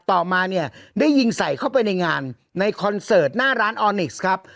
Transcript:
ต่อมาเนี่ยได้ยิงใส่เข้าไปในงานในคอนเสิร์ตหน้าร้านออนิกส์ครับ